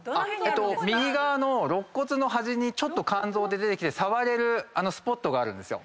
右側の肋骨の端にちょっと肝臓出てきて触れるスポットがあるんですよ。